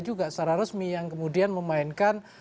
juga secara resmi yang kemudian memainkan